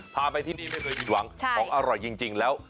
พาไปที่นี่ไม่เคยผิดหวังของอร่อยจริงแล้ว